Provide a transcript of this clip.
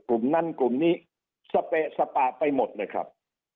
กลุ่มนั้นกลุ่มนี้สเปะสปะไปหมดเลยครับ